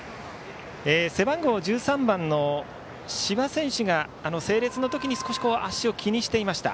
背番号１３番の柴選手が整列の時に少し足を気にしていました。